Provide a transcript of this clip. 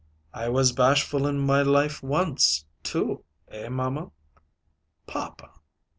"I was bashful in my life once, too eh, mamma?" "Papa!"